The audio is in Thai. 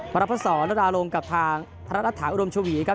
พระพระศรรดาลงกับทางธรรมชาวีครับ